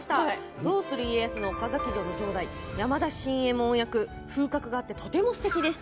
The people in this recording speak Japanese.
「どうする家康」の岡崎城の城代山田新右衛門役、風格があってとてもすてきでした。